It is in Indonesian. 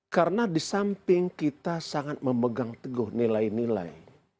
karena di samping kita sangat memegang teguh nilai nilai